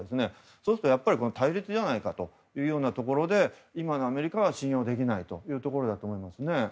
そうすると、これは対立じゃないかということで今のアメリカは信用できないというところだと思います。